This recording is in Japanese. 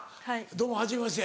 どうもはじめまして。